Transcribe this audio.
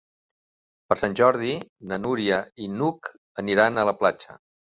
Per Sant Jordi na Núria i n'Hug aniran a la platja.